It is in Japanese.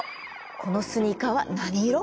このスニーカーは何色？